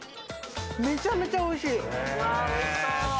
めちゃめちゃおいしい！